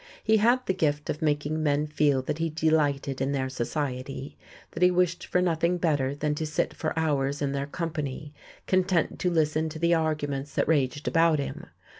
He had the gift of making men feel that he delighted in their society, that he wished for nothing better than to sit for hours in their company, content to listen to the arguments that raged about him.